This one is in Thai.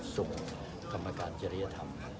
ส่งกรรมการจริยธรรม